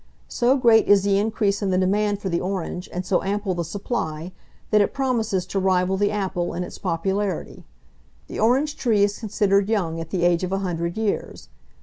So great is the increase in the demand for the orange, and so ample the supply, that it promises to rival the apple in its popularity. The orange tree is considered young at the age of a hundred years.